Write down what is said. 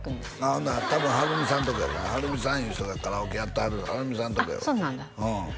ほんなら多分ハルミさんとこやろうなハルミさんいう人がカラオケやってはるハルミさんとこやわあっそうなんだ